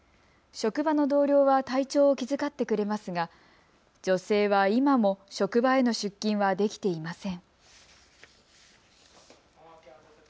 職場の同僚は体調を気遣ってくれますが女性は今も職場への出勤はできていません。